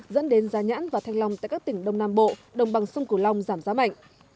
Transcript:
dẫn đến giá nhãn và thanh long tại các tỉnh đông nam bộ đồng bằng sông cửu long giảm giá mạnh